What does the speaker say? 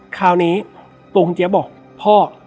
คราวนี้คุณพรุ่งเจี๊ยบบอกพ่อ